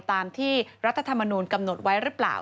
ตามที่รัฐธรรมนูลกำหนดไว้หรือเปล่า